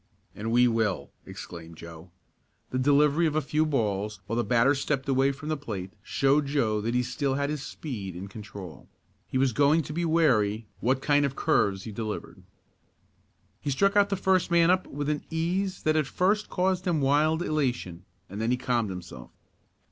"And we will!" exclaimed Joe. The delivery of a few balls, while the batter stepped away from the plate, showed Joe that he still had his speed and control. He was going to be wary what kind of curves he delivered. He struck out the first man up with an ease that at first caused him wild elation, and then he calmed himself.